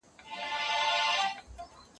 هسي نه راڅخه ورکه سي دا لاره